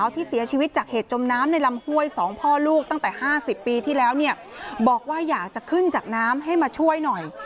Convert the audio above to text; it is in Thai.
ที่แล้วบอกว่าอยากจะขึ้นจากน้ำให้มาช่วยหน่อย